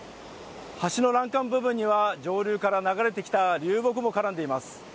橋の欄干部分には上流から流れてきた流木も絡んでいます。